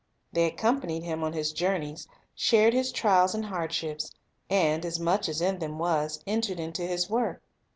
The)' accompanied Him on His journeys, shared His trials and hardships, and, as much as in them was, entered into His work.